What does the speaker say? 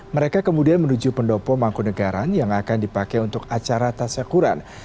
mereka kemudian menuju pendopo mangkunegaran yang akan dipakai untuk acara tasyakuran